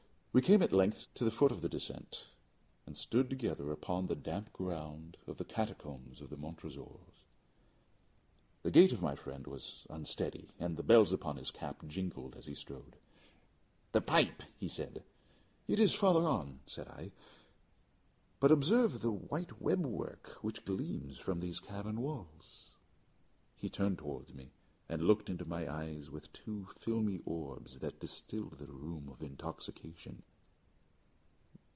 We came at length to the foot of the descent, and stood together on the damp ground of the catacombs of the Montresors. The gait of my friend was unsteady, and the bells upon his cap jingled as he strode. "The pipe," said he. "It is farther on," said I; "but observe the white web work which gleams from these cavern walls." He turned towards me, and looked into my eyes with two filmy orbs that distilled the rheum of intoxication.